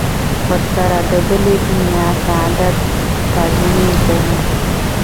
ورسره د بلې دنیا سعادت تضمین کوي.